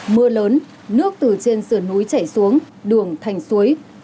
mưa lớn nước từ trên sườn núi chảy xuống đường thành suối